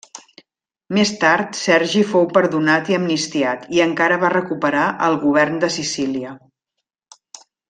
Més tard Sergi fou perdonat i amnistiat i encara va recuperar el govern de Sicília.